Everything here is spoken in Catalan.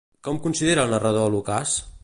Com considera el narrador l'ocàs?